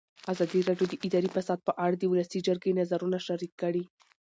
ازادي راډیو د اداري فساد په اړه د ولسي جرګې نظرونه شریک کړي.